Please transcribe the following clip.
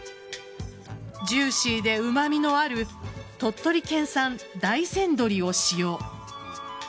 ジューシーでうま味のある鳥取県産大山鶏を使用。